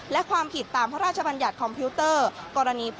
และความผิดตามพระราชบัญญัติคอมพิวเตอร์กรณี